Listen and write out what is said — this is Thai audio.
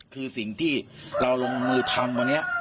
คือสิ่งที่เราลงมือทำวันนี้